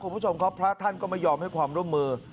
เพราะท่านก็ไม่ยอมให้ความร่วมมือ